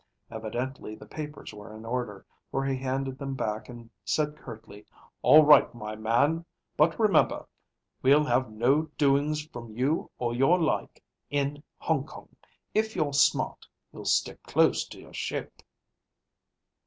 Evidently the papers were in order, for he handed them back and said curtly, "All right, my man. But remember we'll have no doings from you or your like in Hong Kong. If you're smart, you'll stick close to your ship."